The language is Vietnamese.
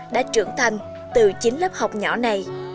đã trưởng thành từ chín lớp học nhỏ này